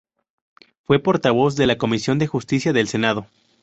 Fue portavoz de la Comisión de Justicia del Senado.